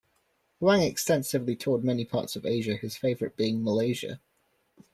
Huang extensively toured many parts of Asia, his favourite being Malaysia.